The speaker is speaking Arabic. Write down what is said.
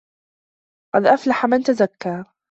قَد أَفلَحَ مَن تَزَكّى